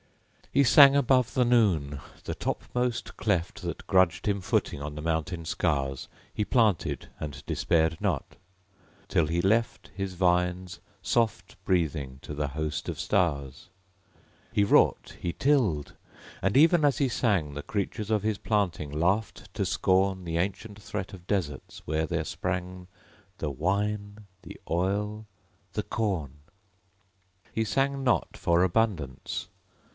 He sang above the noon. The topmost cleft That grudged him footing on the mountain scars He planted and despaired not; till he left His vines soft breathing to the host of stars. He wrought, he tilled; and even as he sang, The creatures of his planting laughed to scorn The ancient threat of deserts where there sprang The wine, the oil, the corn! He sang not for abundance.